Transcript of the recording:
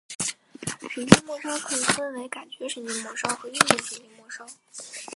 神经末梢可以分为感觉神经末梢和运动神经末梢。